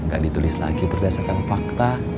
nggak ditulis lagi berdasarkan fakta